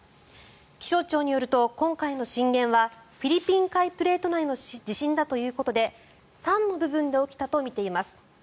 気象庁によると今回の震源はフィリピン海プレート内の地震だということで３の部分で起きたとみています。